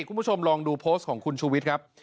คุณผู้ชมลองดูโพสต์ของคุณชูวิทย์ครับ